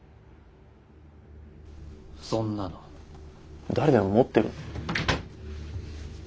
そんなの誰でも持ってるだろ。